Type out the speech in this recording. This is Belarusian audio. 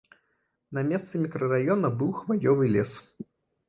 На месцы мікрараёна быў хваёвы лес.